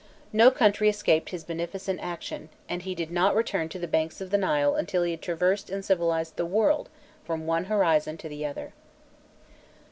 No country escaped his beneficent action, and he did not return to the banks of the Nile until he had traversed and civilized the world from one horizon to the other.